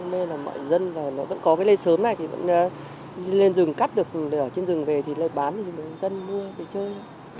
nên là mọi dân nó vẫn có cái lê sớm này thì vẫn lên rừng cắt được để ở trên rừng về thì lại bán cho người dân mua để chơi